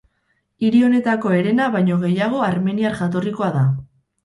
Hiri honetako herena baino gehiago armeniar jatorrikoa da.